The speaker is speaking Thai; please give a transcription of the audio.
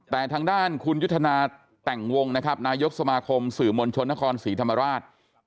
แต่ทางด้านคุณยุทธนาแต่งวงนะครับนายกสมาคมสื่อมวลชนนครศรีธรรมราช